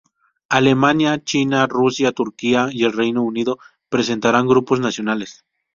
Alemania, China, Rusia, Turquía y el Reino Unido presentarán grupos nacionales.